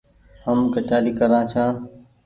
هم ڪچآري ڪرآن ڇآن ۔